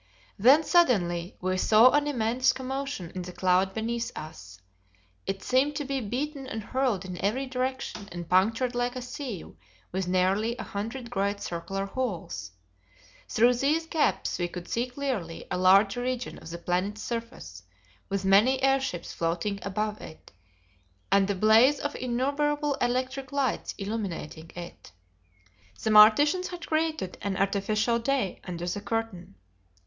Then, suddenly we saw an immense commotion in the cloud beneath us. It seemed to be beaten and hurled in every direction and punctured like a sieve with nearly a hundred great circular holes. Through these gaps we could see clearly a large region of the planet's surface, with many airships floating above it, and the blaze of innumerable electric lights illuminating it. The Martians had created an artificial day under the curtain.